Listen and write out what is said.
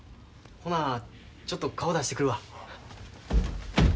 ほなちょっと顔出してくるわ。